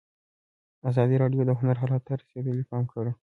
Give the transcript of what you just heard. ازادي راډیو د هنر حالت ته رسېدلي پام کړی.